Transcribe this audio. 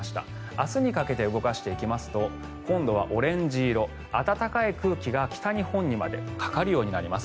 明日にかけて動かしていきますと今度はオレンジ色暖かい空気が北日本にまでかかるようになります。